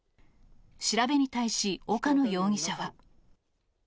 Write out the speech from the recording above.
調べに対し、岡野容疑者は。